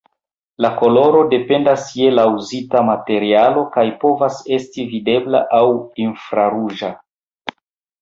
La koloro dependas je la uzita materialo, kaj povas esti videbla aŭ infraruĝa.